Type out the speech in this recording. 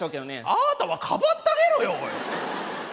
あなたはかばったげろよおい。